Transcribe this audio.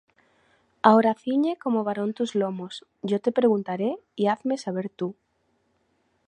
Ahora ciñe como varón tus lomos; Yo te preguntaré, y hazme saber tú.